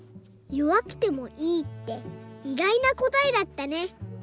「よわくてもいい」っていがいなこたえだったね。